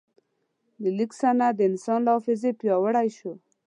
د لیک سند د انسان له حافظې پیاوړی شو.